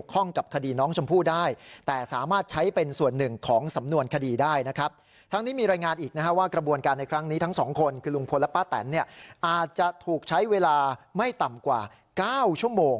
เวลาไม่ต่ำกว่า๙ชั่วโมง